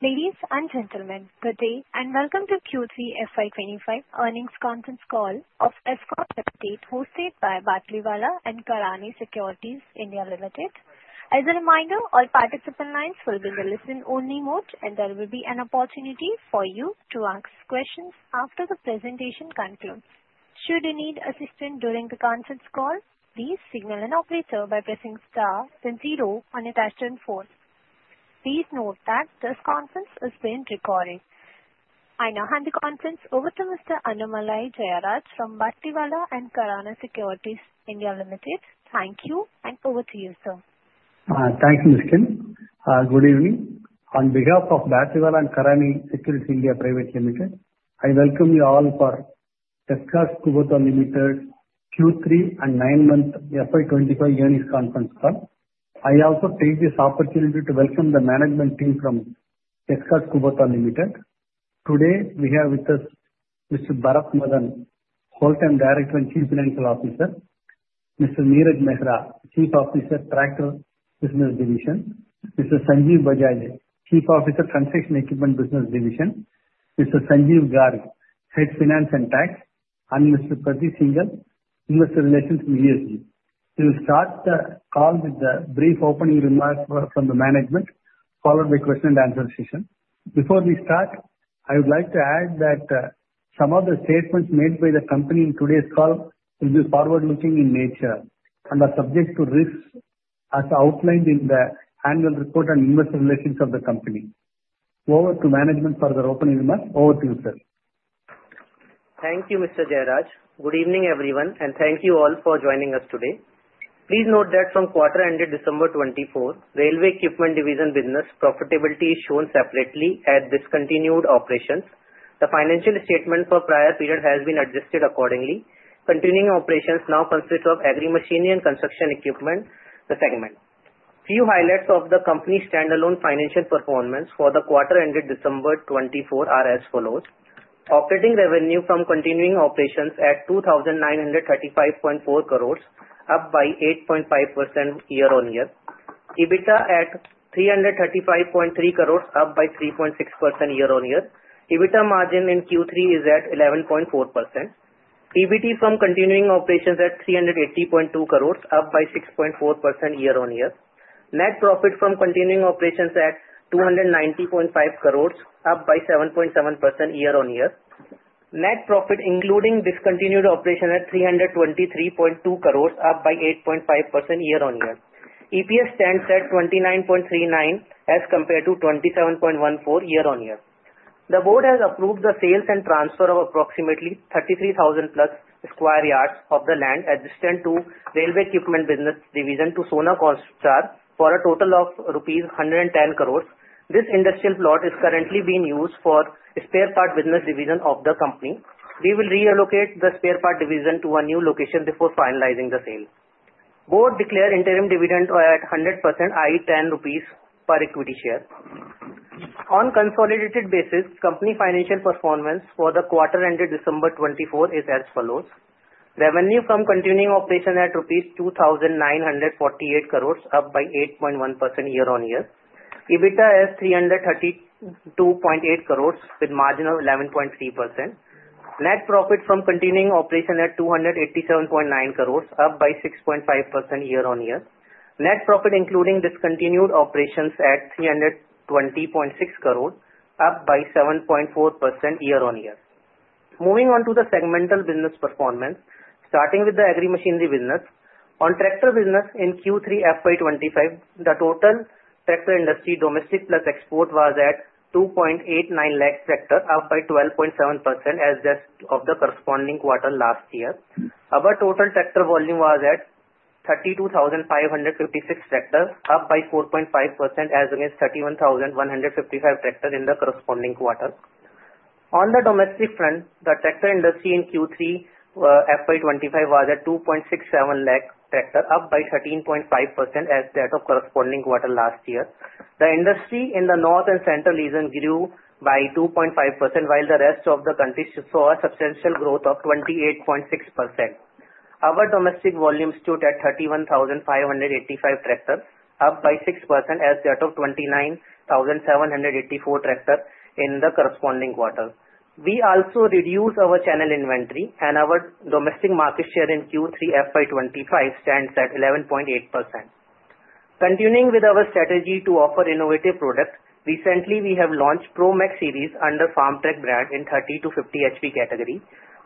Ladies and gentlemen, good day and welcome to Q3 FY 2025 earnings conference call of Escorts Kubota, hosted by Batlivala & Karani Securities India Pvt. Ltd. As a reminder, all participant lines will be in the listen-only mode, and there will be an opportunity for you to ask questions after the presentation concludes. Should you need assistance during the conference call, please signal an operator by pressing star then zero on your dashboard. Please note that this conference is being recorded. I now hand the conference over to Mr. Annamalai Jayaraj from Batlivala & Karani Securities India Limited thank you, and over to you, sir. Thank you, Ms. Kim. Good evening. On behalf of Batlivala & Karani Securities India Private Limited, I welcome you all for Escorts Kubota Limited Q3 and nine-month FY 2025 earnings conference call. I also take this opportunity to welcome the management team from Escorts Kubota Limited. Today, we have with us Mr. Bharat Madan, Whole-time Director and Chief Financial Officer. Mr. Neeraj Mehra, Chief Officer, Tractor Business Division. Mr. Sanjeev Bajaj, Chief Officer, Construction Equipment Business Division. Mr. Sanjeev Garg, Head Finance and Tax, and Mr. Prateek Singhal, Investor Relations from Escorts Kubota. We will start the call with a brief opening remark from the management, followed by a question-and-answer session. Before we start, I would like to add that some of the statements made by the company in today's call will be forward-looking in nature and are subject to risks, as outlined in the annual report on investor relations of the company. Over to management for their opening remarks. Over to you, sir. Thank you, Mr. Jayaraj. Good evening, everyone, and thank you all for joining us today. Please note that from quarter-ending December 2023, Railway Equipment Business Division profitability is shown separately at discontinued operations. The financial statement for the prior period has been adjusted accordingly. Continuing operations now consist of Agri Machinery and Construction Equipment segment. Few highlights of the company's standalone financial performance for the quarter-ending December 2023 are as follows: Operating revenue from continuing operations at 2,935.4 crores, up by 8.5% year-on-year. EBITDA at 335.3 crores, up by 3.6% year-on-year. EBITDA margin in Q3 is at 11.4%. EBIT from continuing operations at 380.2 crores, up by 6.4% year-on-year. Net profit from continuing operations at 290.5 crores, up by 7.7% year-on-year. Net profit including discontinued operations at 323.2 crores, up by 8.5% year-on-year. EPS stands at 29.39 as compared to 27.14 year-on-year. The Board has approved the sales and transfer of approximately 33,000 plus square yards of the land adjacent to Railway Equipment Business Division to Sona Comstar for a total of rupees 110 crores. This industrial plot is currently being used for the spare part business division of the company. We will reallocate the spare part division to a new location before finalizing the sale. The Board declared interim dividend at 100%, i.e., 10 rupees per equity share. On a consolidated basis, the company's financial performance for the quarter ending December 2024 is as follows. Revenue from continuing operations at INR 2,948 crores, up by 8.1% year-on-year. EBITDA at INR 332.8 crores, with a margin of 11.3%. Net profit from continuing operations at INR 287.9 crores, up by 6.5% year-on-year. Net profit including discontinued operations at INR 320.6 crores, up by 7.4% year-on-year. Moving on to the segmental business performance, starting with the Agri Machinery business. On tractor business in Q3 FY 2025, the total tractor industry domestic plus export was at 2.89 lakh tractors, up by 12.7% as of the corresponding quarter last year. Our total tractor volume was at 32,556 tractors, up by 4.5% as against 31,155 tractors in the corresponding quarter. On the domestic front, the tractor industry in Q3 FY 2025 was at 2.67 lakh tractors, up by 13.5% as of the corresponding quarter last year. The industry in the north and central region grew by 2.5%, while the rest of the country saw a substantial growth of 28.6%. Our domestic volume stood at 31,585 tractors, up by 6% as of 29,784 tractors in the corresponding quarter. We also reduced our channel inventory, and our domestic market share in Q3 FY 2025 stands at 11.8%. Continuing with our strategy to offer innovative products, recently we have launched ProMaxx Series under Farmtrac brand in 30 to 50 HP category.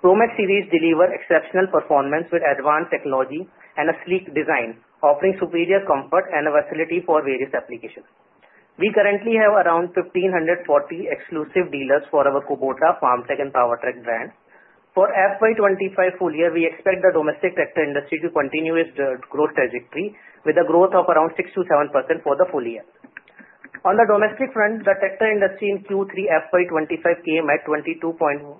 ProMaxx Series delivers exceptional performance with advanced technology and a sleek design, offering superior comfort and versatility for various applications. We currently have around 1,540 exclusive dealers for our Kubota, Farmtrac, and Powertrac brands. For FY 2025 full year, we expect the domestic tractor industry to continue its growth trajectory with a growth of around 6%-7% for the full year. On the domestic front, the tractor industry in Q3 FY 2025 came at 221,000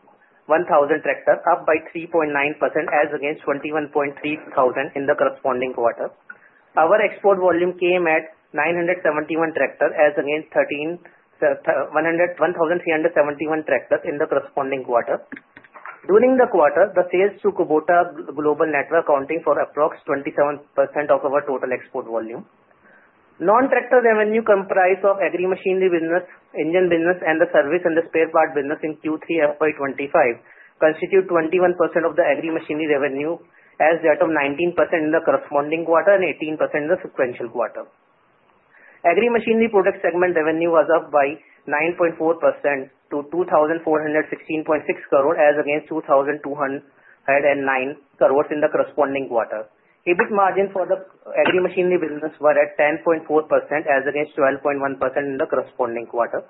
tractors, up by 3.9% as against 213,000 in the corresponding quarter. Our export volume came at 971 tractors as against 1,371 tractors in the corresponding quarter. During the quarter, the sales to Kubota Global Network accounting for approximately 27% of our total export volume. Non-tractor revenue comprised of Agri Machinery business, engine business, and the service and the spare part business in Q3 FY 2025 constitutes 21% of the Agri Machinery revenue as of 19% in the corresponding quarter and 18% in the sequential quarter. Agri Machinery product segment revenue was up by 9.4% to 2,416.6 crores as against 2,209 crores in the corresponding quarter. EBIT margin for the Agri Machinery business was at 10.4% as against 12.1% in the corresponding quarter.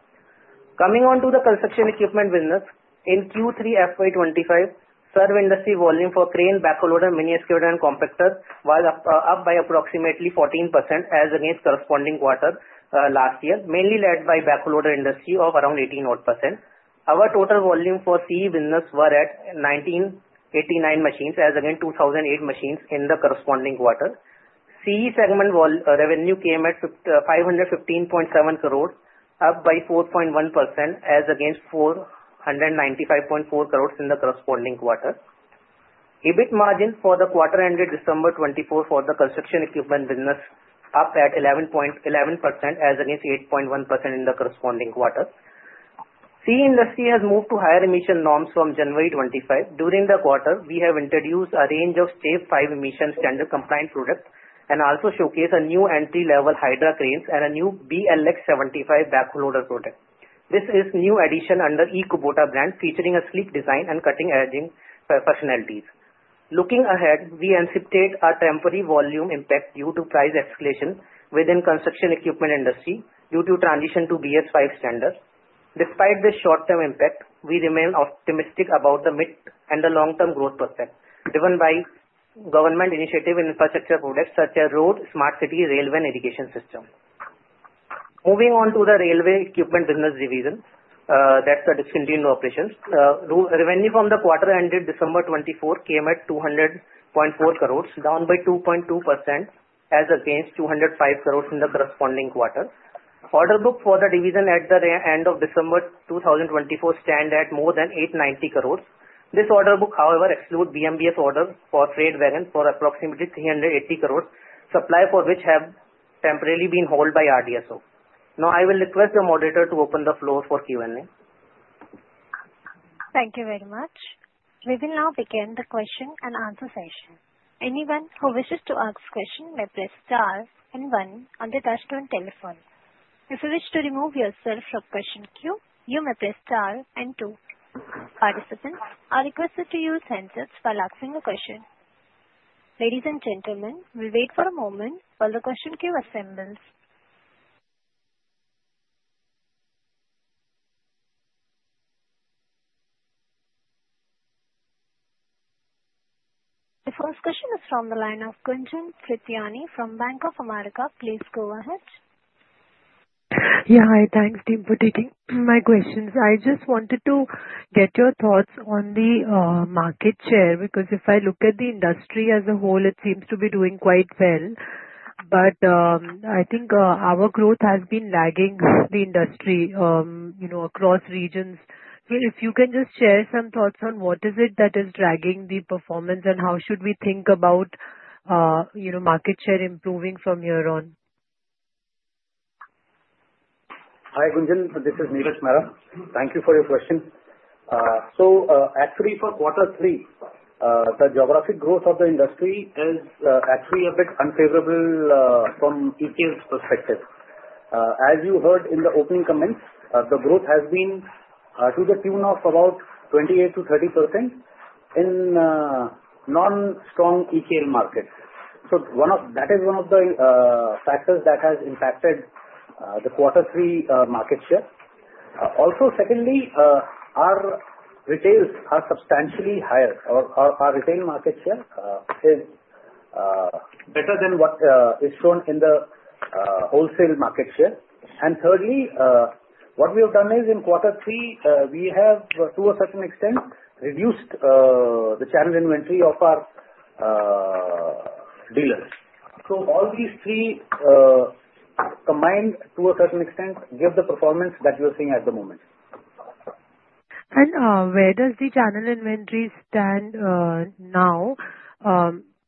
Coming on to the Construction Equipment business, in Q3 FY 2025, served industry volume for crane, backhoe, loader, mini-excavator, and compactor was up by approximately 14% as against the corresponding quarter last year, mainly led by the backhoe loader industry of around 18%. Our total volume for CE business was at 1,989 machines as against 2,008 machines in the corresponding quarter. CE segment revenue came at INR 515.7 crores, up by 4.1% as against INR 495.4 crores in the corresponding quarter. EBIT margin for the quarter-ending December 2024 for the Construction Equipment business was up at 11.11% as against 8.1% in the corresponding quarter. CE industry has moved to higher emission norms from January 2025. During the quarter, we have introduced a range of Stage V emission standard compliant products and also showcased a new entry-level Hydra crane and a new BLX-75 backhoe loader product. This is a new addition under the E-Kubota brand, featuring a sleek design and cutting-edge functionalities. Looking ahead, we anticipate a temporary volume impact due to price escalation within the Construction Equipment industry due to the transition to BS V standard. Despite this short-term impact, we remain optimistic about the mid and the long-term growth perspective driven by government initiatives in infrastructure products such as road, smart city, railway, and education systems. Moving on to the Railway Equipment Business Division, that's the discontinued operations, revenue from the quarter-ending December 2024 came at 200.4 crores, down by 2.2% as against 205 crores in the corresponding quarter. Order book for the division at the end of December 2024 stands at more than 890 crores. This order book, however, excludes BMBS orders for freight wagons for approximately 380 crores, supplies for which have temporarily been held by RDSO. Now, I will request the moderator to open the floor for Q&A. Thank you very much. We will now begin the question and answer session. Anyone who wishes to ask a question may press star and one on the touchscreen telephone. If you wish to remove yourself from question queue, you may press star and two. Participants, I request that you use handsets while asking a question. Ladies and gentlemen, we'll wait for a moment while the question queue assembles. The first question is from the line of Gunjan Prithyani from Bank of America. Please go ahead. Yeah, hi. Thanks, team, for taking my questions. I just wanted to get your thoughts on the market share because if I look at the industry as a whole, it seems to be doing quite well. But I think our growth has been lagging the industry across regions. If you can just share some thoughts on what is it that is dragging the performance and how should we think about market share improving from here on? Hi, Gunjan. This is Neeraj Mehra. Thank you for your question. Actually, for quarter three, the geographic growth of the industry is a bit unfavorable from EKL's perspective. As you heard in the opening comments, the growth has been to the tune of about 28%-30% in non-strong EKL markets. That is one of the factors that has impacted the quarter three market share. Also, secondly, our retails are substantially higher. Our retail market share is better than what is shown in the wholesale market share. Thirdly, what we have done is in quarter three, we have, to a certain extent, reduced the channel inventory of our dealers. All these three combined, to a certain extent, give the performance that you're seeing at the moment. Where does the channel inventory stand now?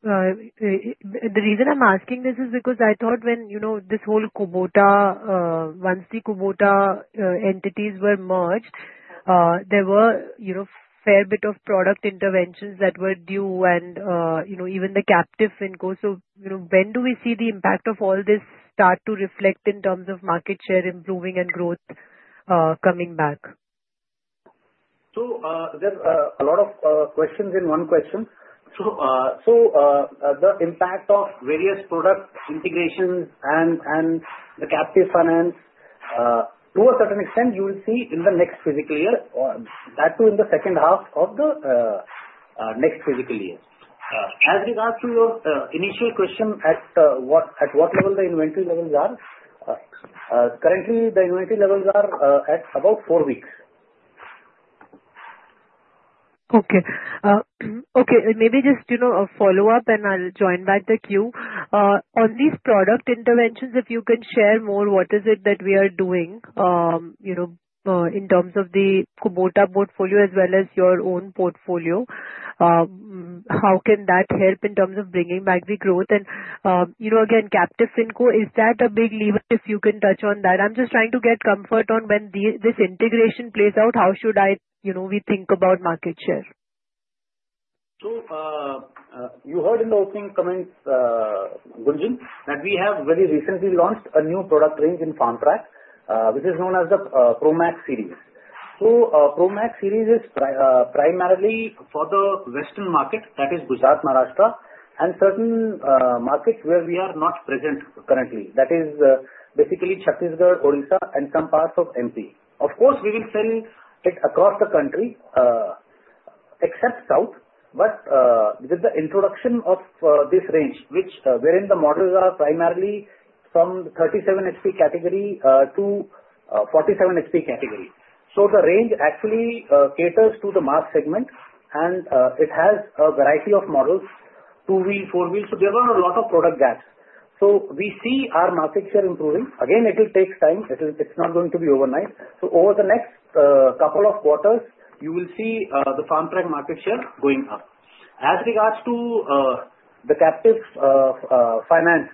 The reason I'm asking this is because I thought when this whole Kubota, once the Kubota entities were merged, there were a fair bit of product interventions that were due and even the captive Finco. So when do we see the impact of all this start to reflect in terms of market share improving and growth coming back? So there's a lot of questions in one question. So the impact of various product integrations and the captive finance, to a certain extent, you will see in the next fiscal year, that too in the second half of the next fiscal year. As regards to your initial question, at what level the inventory levels are? Currently, the inventory levels are at about four weeks. Okay. Okay. Maybe just a follow-up, and I'll join back the queue. On these product interventions, if you can share more, what is it that we are doing in terms of the Kubota portfolio as well as your own portfolio? How can that help in terms of bringing back the growth? And again, captive FinCo, is that a big lever? If you can touch on that. I'm just trying to get comfort on when this integration plays out, how should we think about market share? You heard in the opening comments, Gunjan, that we have very recently launched a new product range in Farmtrac, which is known as the ProMaxx Series. ProMaxx Series is primarily for the western market, that is Gujarat, Maharashtra, and certain markets where we are not present currently, that is basically Chhattisgarh, Odisha, and some parts of MP. Of course, we will sell it across the country, except south, but with the introduction of this range, which wherein the models are primarily from 37 HP category to 47 HP category. The range actually caters to the mass segment, and it has a variety of models, two-wheel, four-wheel. There are a lot of product gaps. We see our market share improving. Again, it will take time. It's not going to be overnight. Over the next couple of quarters, you will see the Farmtrac market share going up. As regards to the captive finance,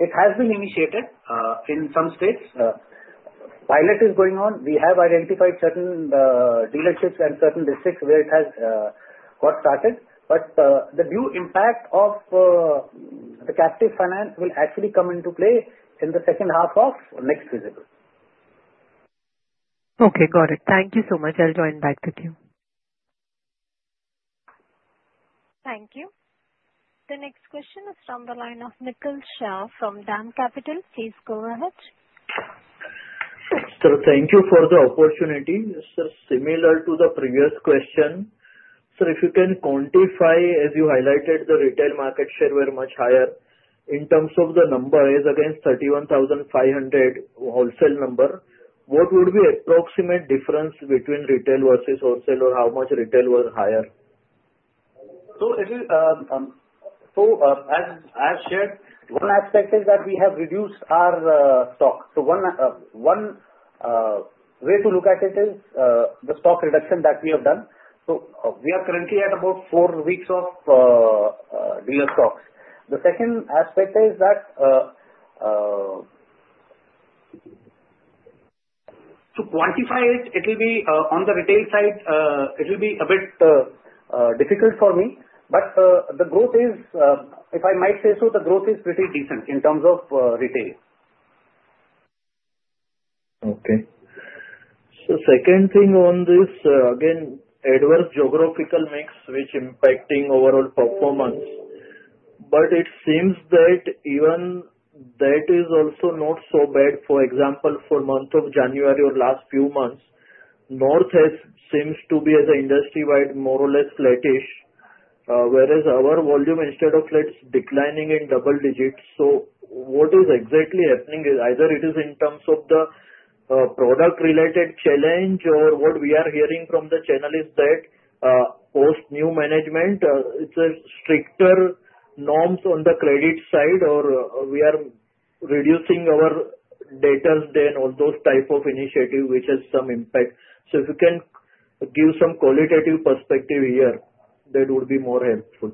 it has been initiated in some states. Pilot is going on. We have identified certain dealerships and certain districts where it has got started. But the new impact of the captive finance will actually come into play in the second half of next fiscal year. Okay. Got it. Thank you so much. I'll join back the queue. Thank you. The next question is from the line of Mitul Shah from DAM Capital. Please go ahead. Sir, thank you for the opportunity. Sir, similar to the previous question, sir, if you can quantify, as you highlighted, the retail market share were much higher in terms of the number as against 31,500 wholesale number, what would be the approximate difference between retail versus wholesale, or how much retail were higher? So as I've shared, one aspect is that we have reduced our stock. So one way to look at it is the stock reduction that we have done. So we are currently at about four weeks of dealer stocks. The second aspect is that to quantify it, it will be on the retail side, it will be a bit difficult for me. But the growth is, if I might say so, the growth is pretty decent in terms of retail. Okay. So second thing on this, again, adverse geographical mix, which is impacting overall performance. But it seems that even that is also not so bad. For example, for month of January or last few months, north seems to be, as an industry wide, more or less flattish, whereas our volume, instead of flat, declining in double digits. So what is exactly happening is either it is in terms of the product-related challenge or what we are hearing from the channel is that post new management, it's a stricter norms on the credit side, or we are reducing our debt than on those types of initiatives, which has some impact. So if you can give some qualitative perspective here, that would be more helpful.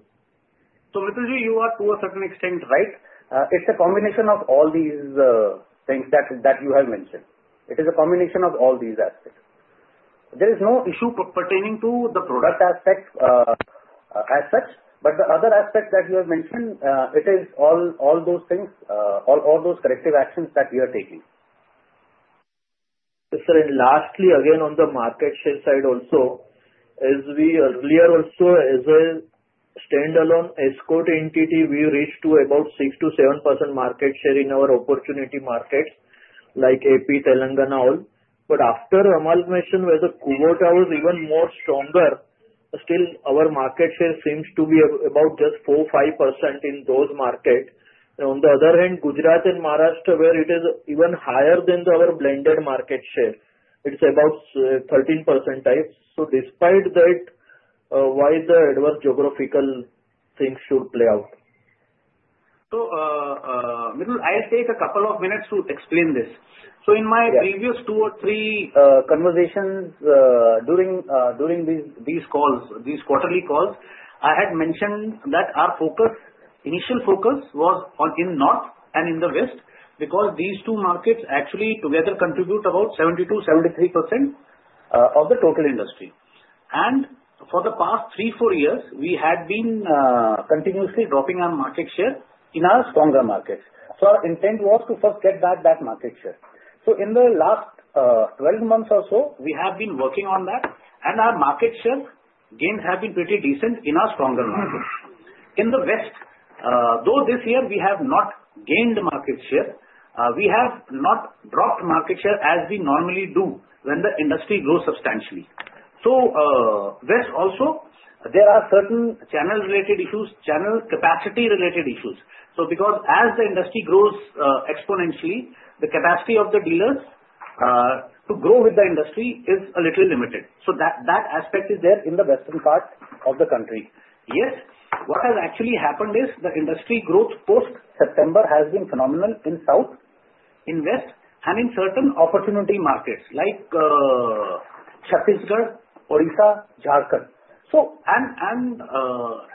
So, [inaudible] you are to a certain extent right. It's a combination of all these things that you have mentioned. It is a combination of all these aspects. There is no issue pertaining to the product aspect as such. But the other aspect that you have mentioned, it is all those things, all those corrective actions that we are taking. Sir, and lastly, again, on the market share side also, as we earlier also as a standalone Escorts entity, we reached to about 6-7% market share in our opportunity markets like AP, Telangana and all. But after the amalgamation, where the Kubota was even more stronger, still our market share seems to be about just 4-5% in those markets. On the other hand, Gujarat and Maharashtra, where it is even higher than our blended market share, it's about 13% types. So despite that, why the adverse geographical things should play out? I'll take a couple of minutes to explain this. In my previous two or three conversations during these quarterly calls, I had mentioned that our initial focus was in north and in the west because these two markets actually together contribute about 70%-73% of the total industry. For the past three, four years, we had been continuously dropping our market share in our stronger markets. Our intent was to first get back that market share. In the last 12 months or so, we have been working on that, and our market share gains have been pretty decent in our stronger markets. In the west, though this year we have not gained market share, we have not dropped market share as we normally do when the industry grows substantially. West also, there are certain channel-related issues, channel capacity-related issues. So because as the industry grows exponentially, the capacity of the dealers to grow with the industry is a little limited. So that aspect is there in the western part of the country. Yet, what has actually happened is the industry growth post September has been phenomenal in south, in west, and in certain opportunity markets like Chhattisgarh, Odisha, Jharkhand. And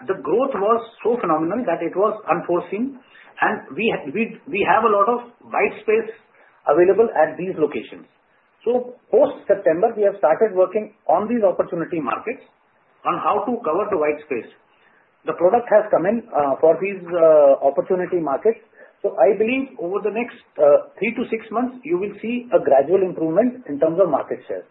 the growth was so phenomenal that it was unforeseen, and we have a lot of white space available at these locations. So post September, we have started working on these opportunity markets on how to cover the white space. The product has come in for these opportunity markets. So I believe over the next three to six months, you will see a gradual improvement in terms of market share.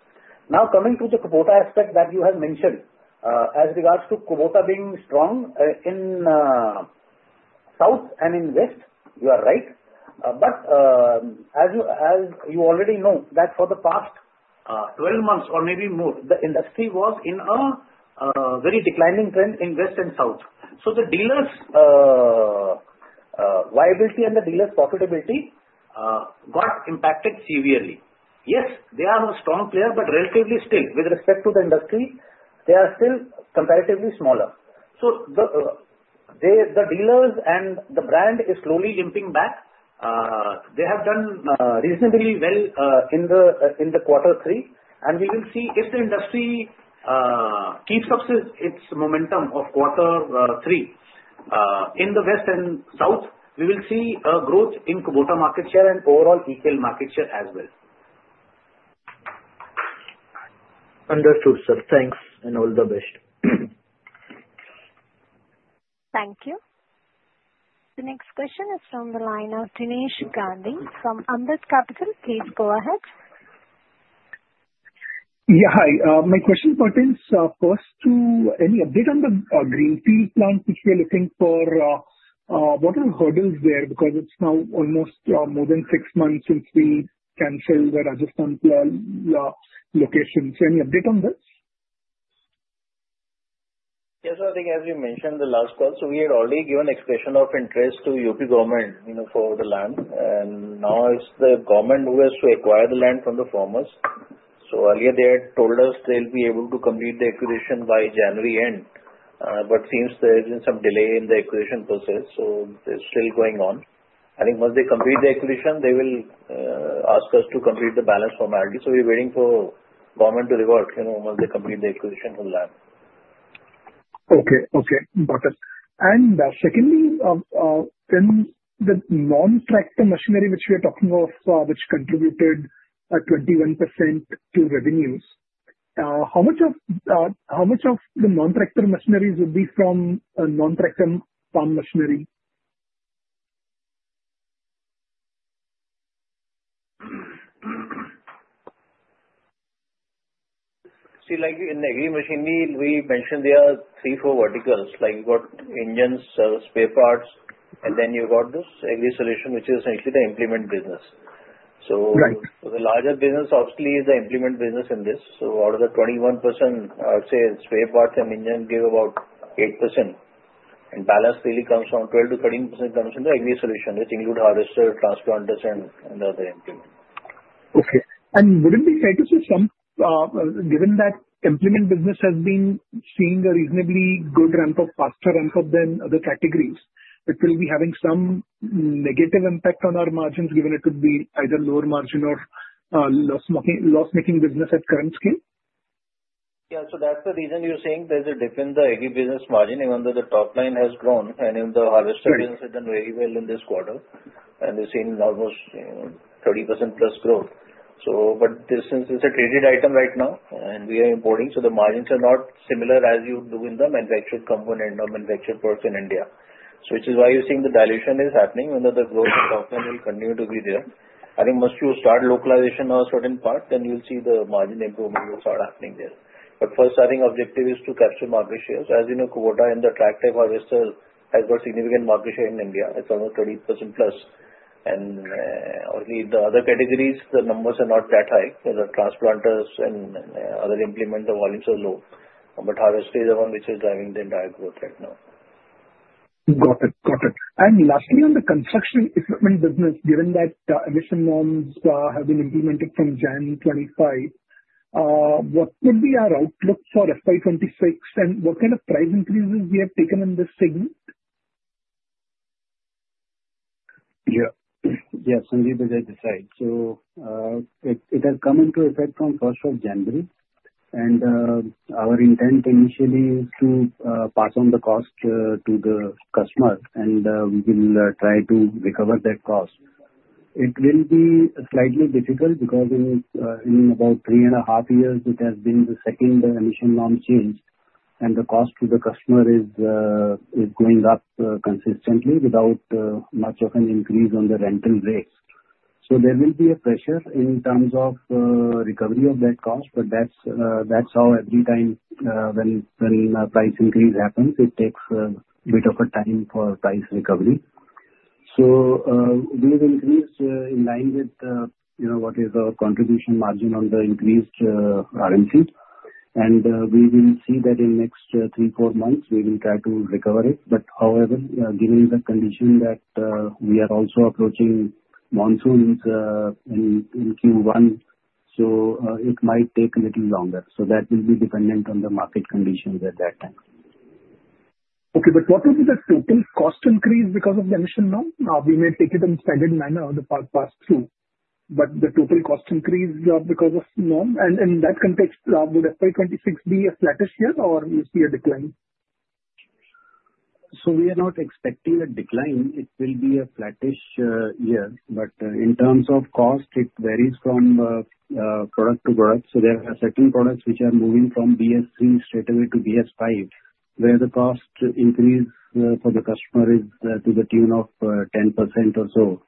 Now, coming to the Kubota aspect that you have mentioned as regards to Kubota being strong in south and in west, you are right. But as you already know, that for the past 12 months or maybe more, the industry was in a very declining trend in west and south. So the dealers' viability and the dealers' profitability got impacted severely. Yes, they are a strong player, but relatively still, with respect to the industry, they are still comparatively smaller. So the dealers and the brand is slowly limping back. They have done reasonably well in the quarter three, and we will see if the industry keeps up its momentum of quarter three. In the west and south, we will see a growth in Kubota market share and overall EKL market share as well. Understood, sir. Thanks, and all the best. Thank you. The next question is from the line of Jinesh Gandhi from Ambit Capital. Please go ahead. Yeah, hi. My question pertains first to any update on the Greenfield plant which we are looking for. What are the hurdles there? Because it's now almost more than six months since we canceled the Rajasthan location, so any update on this? Yes, I think as you mentioned in the last call, so we had already given expression of interest to UP Government for the land, and now it's the government who has to acquire the land from the farmers. So earlier, they had told us they'll be able to complete the acquisition by January end, but since there's been some delay in the acquisition process, so it's still going on. I think once they complete the acquisition, they will ask us to complete the balance formality. So we're waiting for government to allot once they complete the acquisition for the land. Okay. Okay. Got it, and secondly, in the non-tractor machinery which we are talking of, which contributed 21% to revenues, how much of the non-tractor machinery would be from non-tractor farm machinery? See, like in the Agri Machinery, we mentioned there are three, four verticals, like you've got engines, spare parts, and then you've got this agri solution, which is essentially the implement business. So the larger business obviously is the implement business in this. So out of the 21%, I would say spare parts and engine give about 8%. And balance really comes from 12%-13% comes from the agri solution, which includes harvester, transplanters, and other implements. Okay, and wouldn't it be fair to say some, given that implement business has been seeing a reasonably good ramp-up, faster ramp-up than other categories, it will be having some negative impact on our margins given it could be either lower margin or loss-making business at current scale? Yeah. So that's the reason you're saying there's a dip in the agri business margin, even though the top line has grown. And even the harvester business has done very well in this quarter, and we've seen almost 30% plus growth. But since it's a traded item right now, and we are importing, so the margins are not similar as you do in the manufactured component or manufactured parts in India. So which is why you're seeing the dilution is happening, even though the growth and downturn will continue to be there. I think once you start localization of a certain part, then you'll see the margin improvements that are happening there. But first, I think the objective is to capture market shares. As you know, Kubota and the tractor harvester has got significant market share in India. It's almost 30% plus. The other categories, the numbers are not that high. The transporters and other implement, the volumes are low. Harvester is the one which is driving the entire growth right now. Got it. Got it. And lastly, on the Construction Equipment business, given that emission norms have been implemented from January 25, what would be our outlook for FY 26, and what kind of price increases we have taken in this segment? Yeah. Yeah, Sanjeev is at the side. So it has come into effect from first of January. And our intent initially is to pass on the cost to the customer, and we will try to recover that cost. It will be slightly difficult because in about three and a half years, it has been the second emission norm changed, and the cost to the customer is going up consistently without much of an increase on the rental rates. So there will be a pressure in terms of recovery of that cost, but that's how every time when price increase happens, it takes a bit of a time for price recovery. So we will increase in line with what is our contribution margin on the increased RMC. And we will see that in the next three, four months, we will try to recover it. But however, given the condition that we are also approaching monsoons in Q1, so it might take a little longer. So that will be dependent on the market conditions at that time. Okay. But what will be the total cost increase because of the emission norm? We may take it in standard manner the past two, but the total cost increase because of norm, and in that context, would FY 26 be a flattish year, or will you see a decline? So we are not expecting a decline. It will be a flattish year. But in terms of cost, it varies from product to product. So there are certain products which are moving from BS3 straight away to BS5, where the cost increase for the customer is to the tune of 10% or so,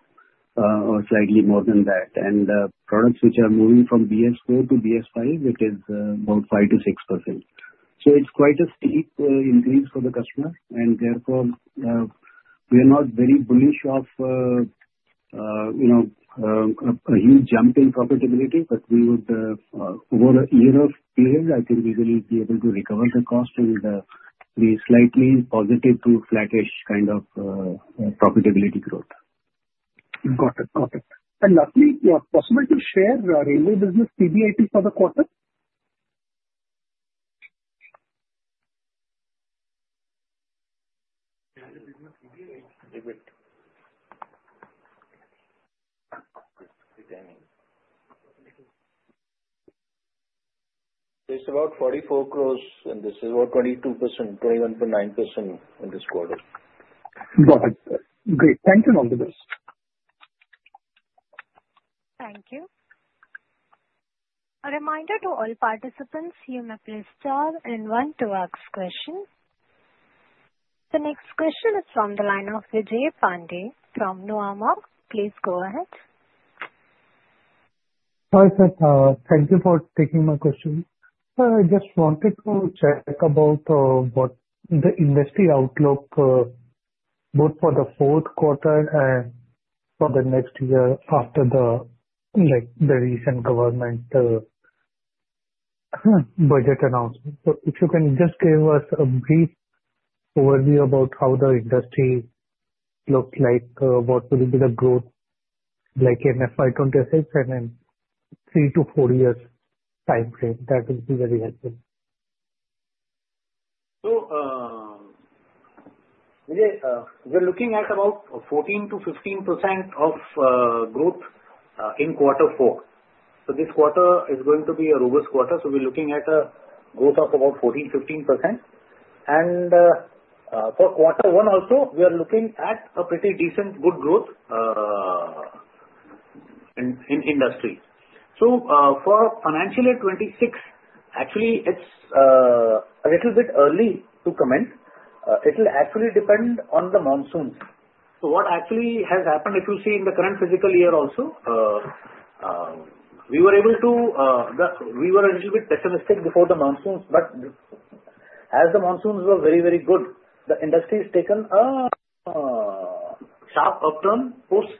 or slightly more than that, and products which are moving from BS4 to BS5, it is about 5%-6%. So it's quite a steep increase for the customer, and therefore, we are not very bullish of a huge jump in profitability, but over a year of period, I think we will be able to recover the cost, and we're slightly positive to flattish kind of profitability growth. Got it. Got it. And lastly, you are possible to share railway business PBIT for the quarter? It's about 44 crores, and this is about 22%, 21.9% in this quarter. Got it. Great. Thank you. [inaudible] Thank you. A reminder to all participants here in the place to ask questions. The next question is from the line of Vijay Pandey from Nuvama. Please go ahead. Hi Seth. Thank you for taking my question. I just wanted to check about the industry outlook both for the fourth quarter and for the next year after the recent government budget announcement. So if you can just give us a brief overview about how the industry looks like, what will be the growth like in FY 26 and in three to four years' time frame, that would be very helpful. We're looking at about 14%-15% of growth in quarter four. This quarter is going to be a robust quarter. We're looking at a growth of about 14%-15%. For quarter one also, we are looking at a pretty decent good growth in industry. For financial year 26, actually, it's a little bit early to comment. It will actually depend on the monsoons. What actually has happened, if you see in the current fiscal year also, we were a little bit pessimistic before the monsoons, but as the monsoons were very, very good, the industry has taken a sharp upturn post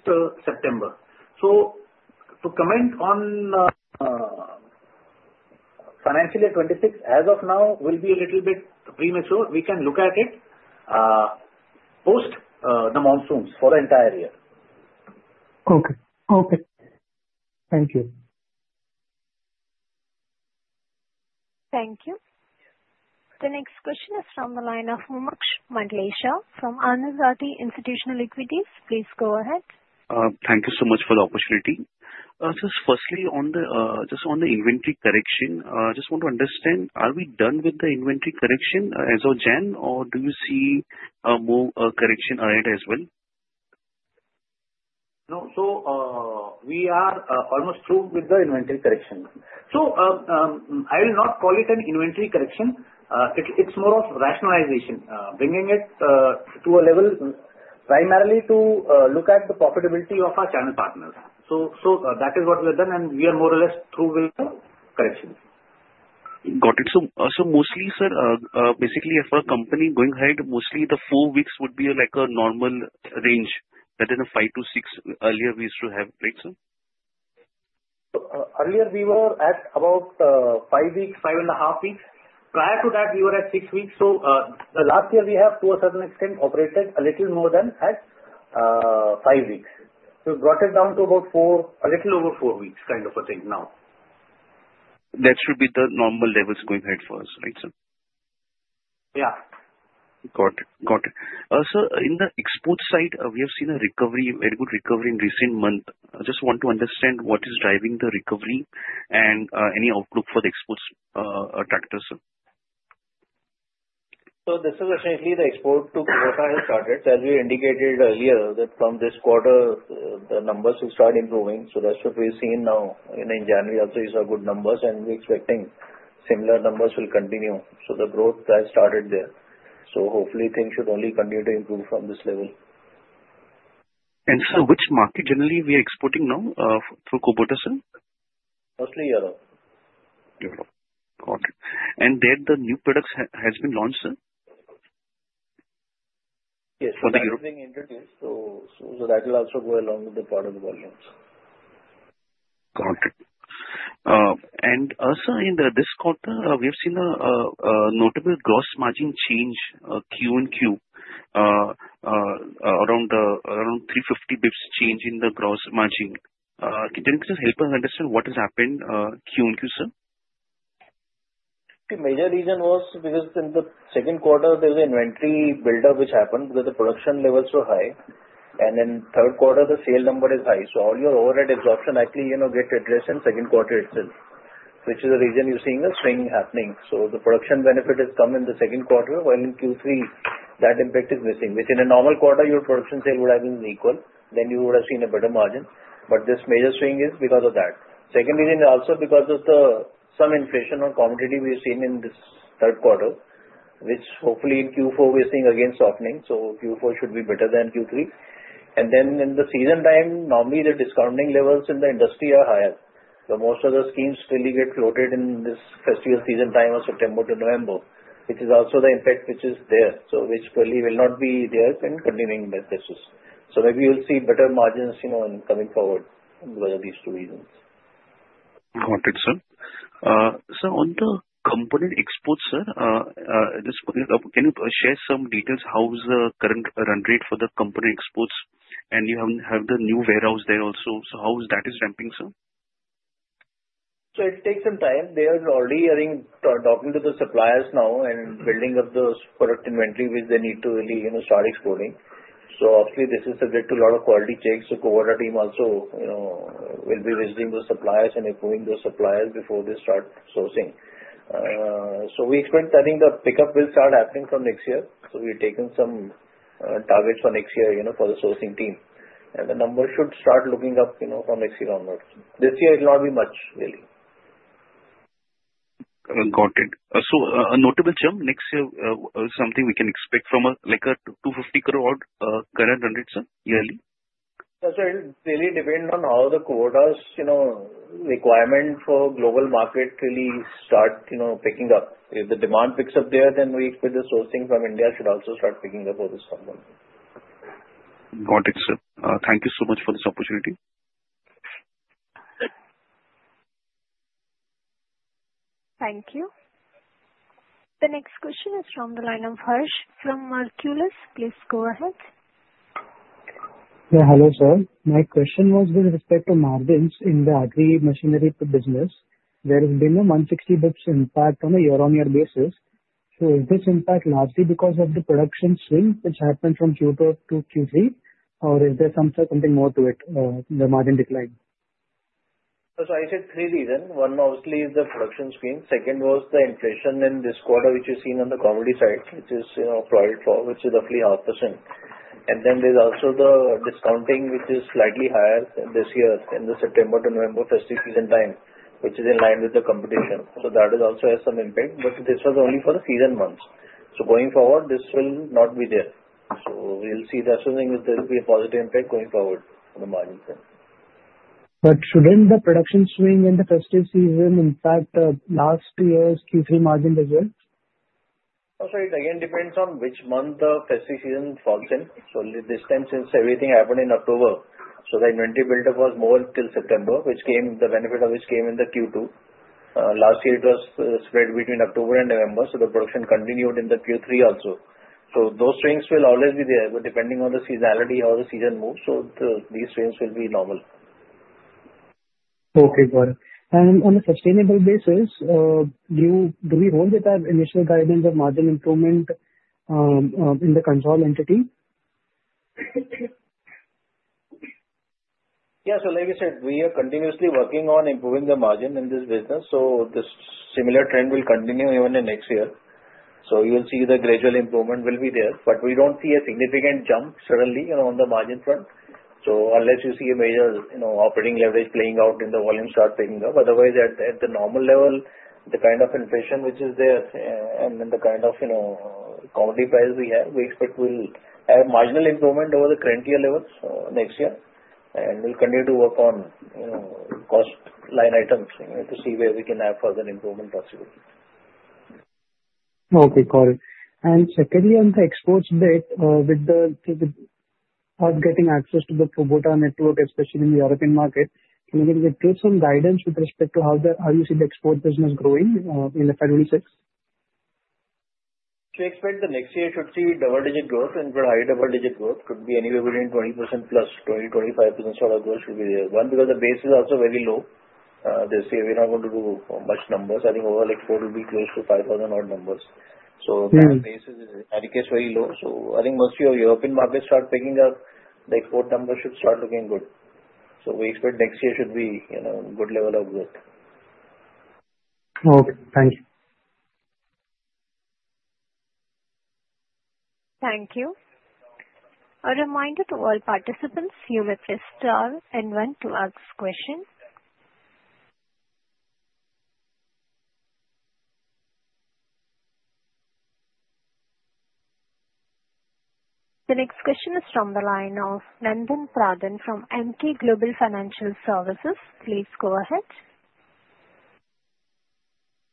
September. To comment on financial year 26, as of now, will be a little bit premature. We can look at it post the monsoons for the entire year. Okay. Okay. Thank you. Thank you. The next question is from the line of Mumuksh Mandlesha from Anand Rathi Institutional Equities. Please go ahead. Thank you so much for the opportunity. Firstly, just on the inventory correction, I just want to understand, are we done with the inventory correction as of January, or do you see more correction ahead as well? No. So we are almost through with the inventory correction. So I will not call it an inventory correction. It's more of rationalization, bringing it to a level primarily to look at the profitability of our channel partners. So that is what we have done, and we are more or less through with the correction. Got it, so mostly, sir, basically, for a company going ahead, mostly the four weeks would be like a normal range, that is, a five to six earlier we used to have, right, sir? Earlier, we were at about five weeks, five and a half weeks. Prior to that, we were at six weeks. So the last year, we have, to a certain extent, operated a little more than at five weeks. So we brought it down to about four, a little over four weeks kind of a thing now. That should be the normal levels going ahead for us, right, sir? Yeah. Got it. Got it. Also, in the export side, we have seen a recovery, very good recovery in recent months. I just want to understand what is driving the recovery and any outlook for the exports tractor, sir? So this is essentially the export to Kubota has started. As we indicated earlier, that from this quarter, the numbers will start improving. So that's what we've seen now, and in January, also, we saw good numbers, and we're expecting similar numbers will continue. So the growth has started there. So hopefully, things should only continue to improve from this level. Sir, which market generally we are exporting now for Kubota, sir? Mostly Euro. Europe. Got it. And there, the new products have been launched, sir? Yes. They have been introduced. So that will also go along with the product volumes. Got it. And also, in this quarter, we have seen a notable gross margin change, Q and Q, around 350 basis points change in the gross margin. Can you just help us understand what has happened Q and Q, sir? The major reason was because in the second quarter, there was an inventory build-up which happened because the production levels were high, and in third quarter, the sale number is high, so all your overhead absorption actually gets addressed in second quarter itself, which is the reason you're seeing a swing happening. So the production benefit has come in the second quarter, while in Q3, that impact is missing, which in a normal quarter, your production sale would have been equal, then you would have seen a better margin, but this major swing is because of that. Second reason is also because of some inflation on commodity we have seen in this third quarter, which hopefully in Q4, we are seeing again softening, so Q4 should be better than Q3, and then in the season time, normally the discounting levels in the industry are higher. But most of the schemes really get floated in this festival season time of September to November, which is also the impact which is there. So which probably will not be there in continuing businesses. So maybe we'll see better margins coming forward because of these two reasons. Got it, sir. Sir, on the component exports, sir, can you share some details? How is the current run rate for the component exports? And you have the new warehouse there also. So how is that ramping, sir? So it takes some time. They are already talking to the suppliers now and building up the product inventory which they need to really start exporting. So obviously, this is subject to a lot of quality checks. So Kubota team also will be visiting the suppliers and approving the suppliers before they start sourcing. So we expect I think the pickup will start happening from next year. So we've taken some targets for next year for the sourcing team, and the numbers should start looking up from next year onwards. This year it will not be much, really. Got it. So a notable term, next year, something we can expect from a 250 crore current run, right, sir, yearly? That's right. It will really depend on how the Kubota's requirement for global market really start picking up. If the demand picks up there, then we expect the sourcing from India should also start picking up for this component. Got it, sir. Thank you so much for this opportunity. Thank you. The next question is from the line of Harsh from Marcellus. Please go ahead. Yeah. Hello, sir. My question was with respect to margins in the agri machinery business. There has been a 160 basis points impact on a year-on-year basis. So is this impact largely because of the production swing which happened from Q2 to Q3, or is there something more to it, the margin decline? So I said three reasons. One, obviously, is the production swing. Second was the inflation in this quarter, which you've seen on the commodity side, which is roughly 0.5%. And then there's also the discounting, which is slightly higher this year in the September to November festive season time, which is in line with the competition. So that also has some impact. But this was only for the season months. So going forward, this will not be there. So we'll see that swing if there will be a positive impact going forward on the margins. But shouldn't the production swing in the festive season impact last year's Q3 margin as well? That's right. Again, it depends on which month the festive season falls in. So this time, since everything happened in October, so the inventory build-up was more till September, the benefit of which came in the Q2. Last year, it was spread between October and November. So the production continued in the Q3 also. So those swings will always be there, but depending on the seasonality, how the season moves, so these swings will be normal. Okay. Got it. And on a sustainable basis, do we hold that initial guidance of margin improvement in the control entity? Yeah. So, like I said, we are continuously working on improving the margin in this business. So, this similar trend will continue even in next year. So, you will see the gradual improvement will be there. But we don't see a significant jump suddenly on the margin front. So, unless you see a major operating leverage playing out and the volumes start picking up. Otherwise, at the normal level, the kind of inflation which is there and then the kind of commodity price we have, we expect we'll have marginal improvement over the current year levels next year, and we'll continue to work on cost line items to see where we can have further improvement possible. Okay. Got it, and secondly, on the exports bit, with us getting access to the Kubota network, especially in the European market, can you give some guidance with respect to how you see the export business growing in FY 26? So I expect the next year should see double-digit growth and very high double-digit growth. It could be anywhere between 20%+. 20%-25% growth should be there. One, because the base is also very low. They say we're not going to do much numbers. I think overall export will be close to 5,000-odd numbers. So that base is, in any case, very low. So I think once your European markets start picking up, the export numbers should start looking good. So we expect next year should be a good level of growth. Okay. Thank you. Thank you. A reminder to all participants, you may press star and then 1 to ask a question. The next question is from the line of Nandan Pradhan from Emkay Global Financial Services. Please go ahead.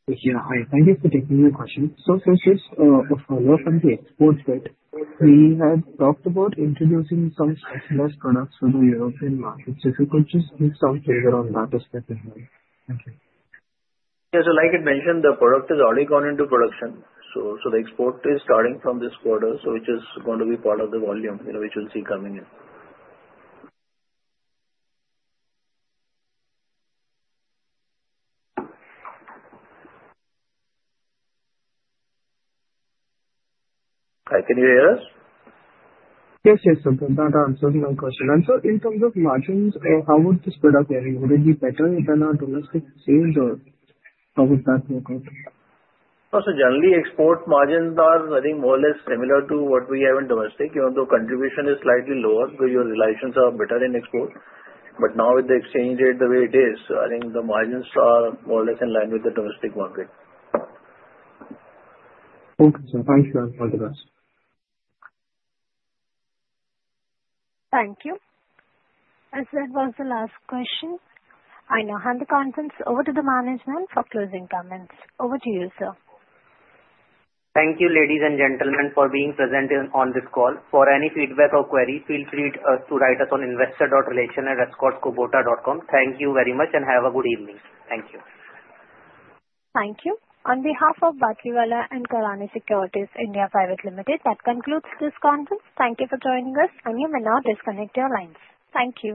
Yeah. Hi. Thank you for taking my question. So since we've followed from the export bit, we had talked about introducing some specialized products for the European market. If you could just please talk further on that aspect as well. Thank you. Yeah. So, like I mentioned, the product has already gone into production. So the export is starting from this quarter, so which is going to be part of the volume which we'll see coming in. Hi. Can you hear us? Yes, yes, sir. That answers my question, and sir, in terms of margins, how would this break up? Would it be better than our domestic exchange, or how would that work out? So generally, export margins are, I think, more or less similar to what we have in domestic. Even though contribution is slightly lower, your relations are better in export. But now with the exchange rate the way it is, I think the margins are more or less in line with the domestic market. Okay, sir. Thank you, all the best. Thank you, and since that was the last question. I now hand the conference over to the management for closing comments. Over to you, sir. Thank you, ladies and gentlemen, for being present on this call. For any feedback or query, feel free to write us on investor.relations@escorts-kubota.com. Thank you very much, and have a good evening. Thank you. Thank you. On behalf of Batlivala & Karani Securities India Private Limited, that concludes this conference. Thank you for joining us, and you may now disconnect your lines. Thank you.